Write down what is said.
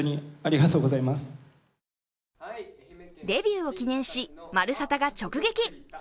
デビューを記念し、「まるサタ」が直撃。